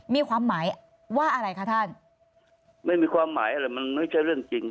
มีความหมายว่าอะไรคะท่านไม่มีความหมายอะไรมันไม่ใช่เรื่องจริง